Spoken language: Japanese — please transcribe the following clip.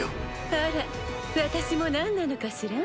あら私も何なのかしら？